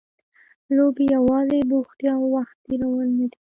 لوبې یوازې بوختیا او وخت تېرول نه دي.